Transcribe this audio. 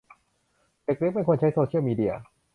เด็กเล็กไม่ควรใช้โซเชียลมีเดีย